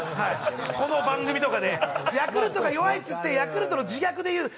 この番組とかで「ヤクルトが弱い」っつってヤクルトの自虐で言う。